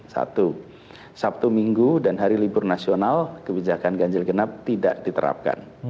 satu sabtu minggu dan hari libur nasional kebijakan ganjil genap tidak diterapkan